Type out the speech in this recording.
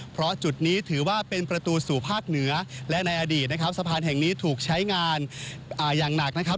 เพราะจุดนี้ถือว่าเป็นประตูสู่ภาคเหนือและในอดีตนะครับสะพานแห่งนี้ถูกใช้งานอย่างหนักนะครับ